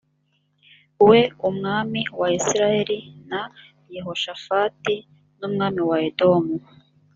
we umwami wa isirayeli na yehoshafati n umwami wa edomu